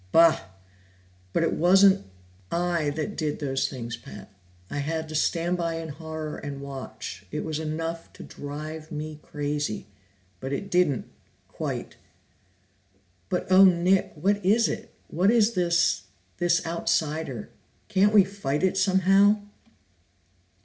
Bah! But it wasn't I that did those things, Pat; I had to stand by in horror and watch. It was enough to drive me crazy, but it didn't quite." "But Oh, Nick, what is it? What is this this outsider? Can't we fight it somehow?"